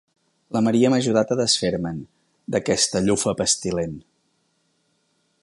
La Maria m'ha ajudat a desfer-me'n, d'aquesta llufa pestilent.